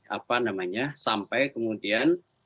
apa namanya sampai kemudian